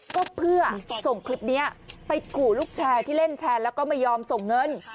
ก็เพื่อส่งคลิปนี้ไปขู่ลูกแชร์ที่เล่นแชร์แล้วก็ไม่ยอมส่งเงิน